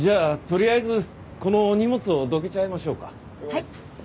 はい。